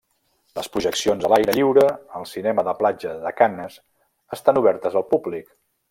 Les projeccions a l'aire lliure al cinema de platja de Canes estan obertes al públic.